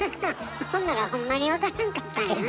ほんならほんまに分からんかったんやな。